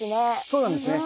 そうなんですね。